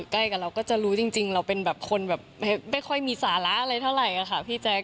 ใกล้กับเราก็จะรู้จริงเราเป็นแบบคนแบบไม่ค่อยมีสาระอะไรเท่าไหร่ค่ะพี่แจ๊ค